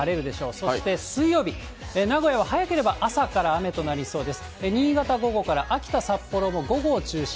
そして水曜日、名古屋は早ければ朝から雨となりそうです。